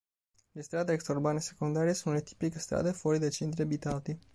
Le strade extraurbane secondarie sono le tipiche strade fuori dai centri abitati.